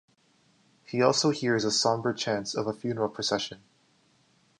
He also hears the sombre chants of a funeral procession.